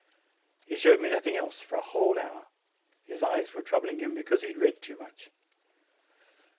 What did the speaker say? He showed me nothing else for a whole hour. His eyes were troubling him, because he had read too much.